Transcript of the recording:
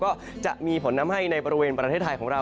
ก็จะมีผลทำให้ในบริเวณประเทศไทยของเรา